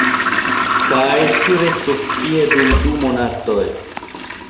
Kaj ŝi restos tie, dum du monatoj.